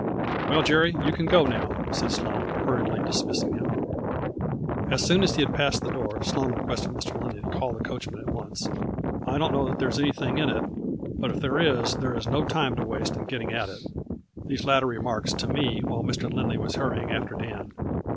" Well, Jerry, you can go now," said Sloane, hurriedly dismissing him. As soon as he had passed the door, Sloane requested Mr. Lindley to call the coachman at once. " I don't know that there is anything in it, 54 A FLURRY IN DIAMONDS. but if there is, there is no time to waste in getting at it." These latter remarks to me while Mr. Lindley was hurrying after Dan.